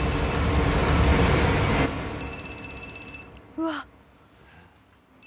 うわっ。